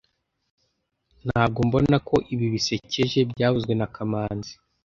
Ntabwo mbona ko ibi bisekeje byavuzwe na kamanzi